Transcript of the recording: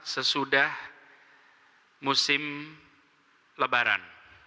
sesudah musim lebaran